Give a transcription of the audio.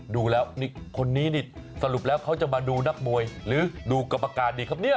ดูแล้วนี่คนนี้นี่สรุปแล้วเขาจะมาดูนักมวยหรือดูกรรมการดีครับเนี่ย